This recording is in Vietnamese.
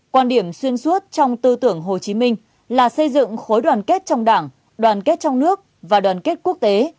quan điểm xuyên suốt trong tư tưởng hồ chí minh là xây dựng khối đoàn kết trong đảng đoàn kết trong nước và đoàn kết quốc tế